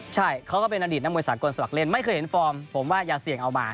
ใช่เขาก็เป็นอดีตนักมวยสากลสมัครเล่นไม่เคยเห็นฟอร์มผมว่าอย่าเสี่ยงเอามา